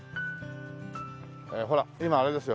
ほら今あれですよ